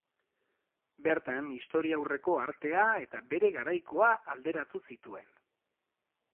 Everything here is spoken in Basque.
Bertan, historiaurreko artea eta bere garaikoa alderatu zituen.